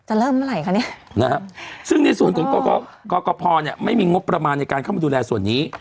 เริ่มเมื่อไหร่คะเนี่ยนะฮะซึ่งในส่วนของกรกภเนี่ยไม่มีงบประมาณในการเข้ามาดูแลส่วนนี้